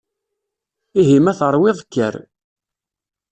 Ihi ma teṛwiḍ kker.